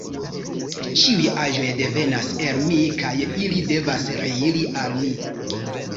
Ĉiuj aĵoj devenas el Mi, kaj ili devas reiri al Mi.